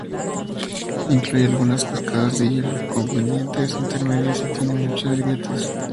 Incluye algunas cascadas de hielo, con pendientes intermedias, y tiene muchas grietas.